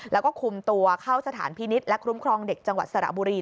แล้วก็คุมตัวเข้าสถานพินิษฐ์และคุ้มครองเด็กจังหวัดสระบุรี